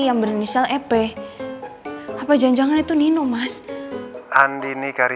yang justru ingin elsa